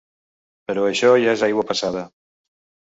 Però això ja és aigua passada.